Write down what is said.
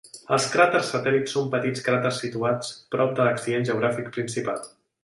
Els cràters satèl·lit són petits cràters situats prop de l'accident geogràfic principal.